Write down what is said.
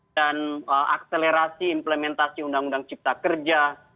dan akselerasi implementasi undang undang cipta kerja